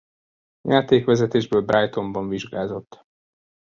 Játékvezetésből Brightonban vizsgázott.